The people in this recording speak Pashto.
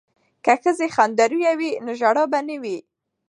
که ښځې خندرویه وي نو ژړا به نه وي.